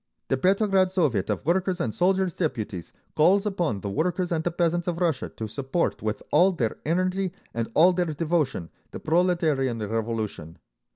The Petrograd Soviet of Workers' and Soldiers' Deputies calls upon the workers and the peasants of Russia to support with all their energy and all their devotion the Proletarian Revolution.